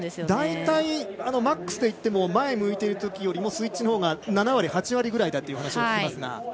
大体、マックスで言っても前向いてるときよりもスイッチのほうが７割、８割ぐらいだと聞きますが。